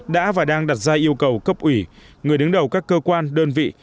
đã và đang đặt ra yêu cầu cấp ủy người đứng đầu các cơ quan đơn vị